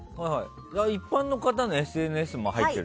一般の方のＳＮＳも入ってるの。